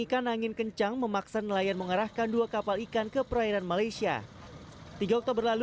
ikan angin kencang memaksa nelayan mengarahkan dua kapal ikan ke perairan malaysia tiga oktober lalu